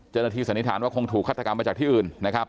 สันนิษฐานว่าคงถูกฆาตกรรมมาจากที่อื่นนะครับ